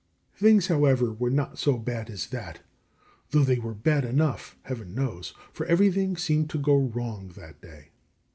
Things, however, were not so bad as that, though they were bad enough, heaven knows, for everything seemed to go wrong that day.